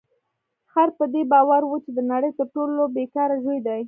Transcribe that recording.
خر په دې باور و چې د نړۍ تر ټولو بې کاره ژوی دی.